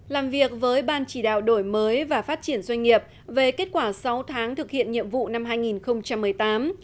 làm việc với ban chỉ đạo đổi mới và phát triển doanh nghiệp về kết quả sáu tháng thực hiện nhiệm vụ năm hai nghìn một mươi tám